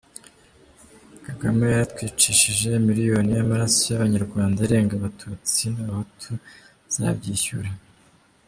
Kagame yaratwicishije…miliyoni y’amaraso y’abanyarwanda irenga abatutsi n’abahutu azabyishyura !